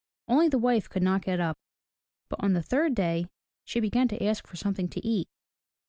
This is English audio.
Only the wife could not get up. But on the third day she began to ask for something to eat.